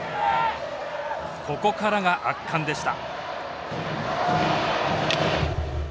ここからが圧巻でした。